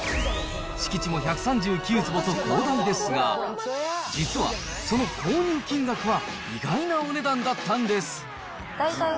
敷地も１３９坪と広大ですが、実は、その購入金額は、意外なお値段だったんです。